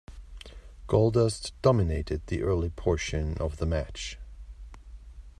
Goldust dominated the early portion of the match.